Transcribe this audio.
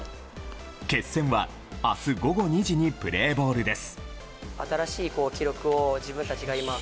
決戦は明日午後２時にプレーボールです。